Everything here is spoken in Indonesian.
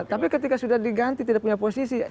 tapi ketika sudah diganti tidak punya posisi